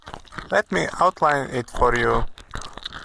Let me outline it for you.